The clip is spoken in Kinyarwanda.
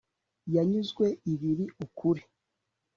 yanyuzwe ibiri ukuri